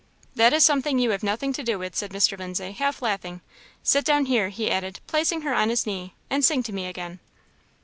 "That is something you have nothing to do with," said Mr. Lindsay, half laughing. "Sit down here," he added, placing her on his knee, "and sing to me again."